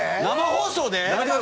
生放送で？